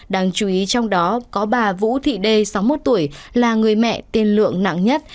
đáng chú ý trong đó có bà vũ thị đê sáu mươi một tuổi là người mẹ tiền lượng nặng nhất